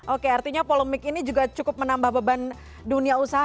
oke artinya polemik ini juga cukup menambah beban dunia usaha